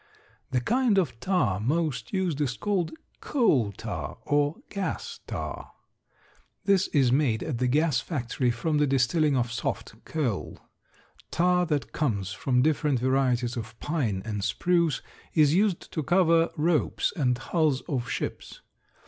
The kind of tar most used is called coal tar or gas tar. This is made at the gas factory from the distilling of soft coal. Tar that comes from different varieties of pine and spruce is used to cover ropes and hulls of ships.